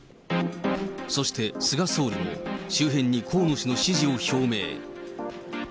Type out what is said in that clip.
そして菅総理も周辺に河野氏の支持を表明。